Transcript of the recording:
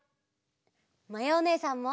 まやおねえさんも。